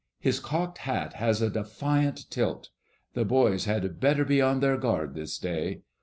His cocked hat has a defiant tilt. The boys had better be on their guard this day.